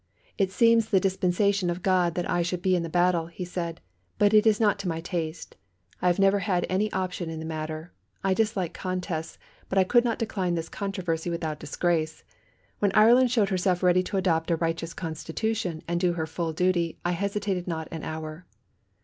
"It seems the dispensation of God that I should be in the battle," he said; "but it is not to my taste. I never had any option in the matter. I dislike contests, but I could not decline this controversy without disgrace. When Ireland showed herself ready to adopt a righteous constitution, and do her full duty, I hesitated not an hour."